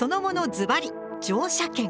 ずばり「乗車券」。